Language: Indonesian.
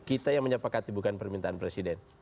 kita yang menyepakati bukan permintaan presiden